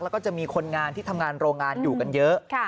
แล้วก็จะมีคนงานที่ทำงานโรงงานอยู่กันเยอะ